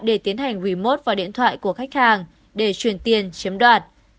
để tiến hành remote vào điện thoại của khách hàng để truyền tiền chiếm đoạt